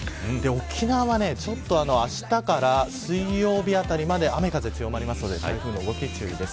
沖縄はあしたから水曜日あたりまで雨風強まりますので台風の動きに注意です。